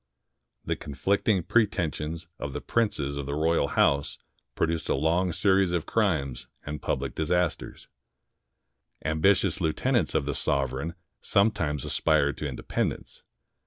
The conflicting preten sions of the princes of the royal house produced a long 143 INDIA series of crimes and public disasters. Ambitious lieu tenants of the sovereign sometimes aspired to independ ence.